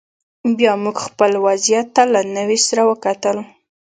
بیا موږ خپل وضعیت ته له نوي سره وکتل